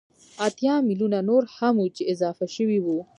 اتيا ميليونه نور هغه وو چې اضافه شوي وو